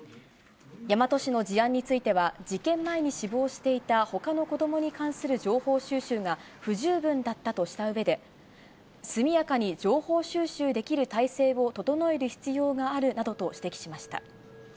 大和市の事案については、事件前に死亡していたほかの子どもに関する情報収集が不十分だったとしたうえで、速やかに情報収集できる体制を整える必要があるなどと指摘しました。